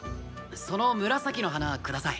その紫の花下さい。